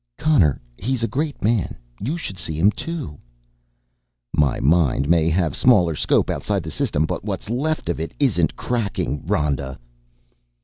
"Connor, he's a great man. You should see him too." "My mind may have smaller scope outside the System but what's left of it isn't cracking, Rhoda."